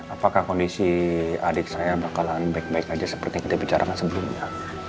apakah kondisi adik saya bakalan baik baik saja seperti kita bicarakan sebelumnya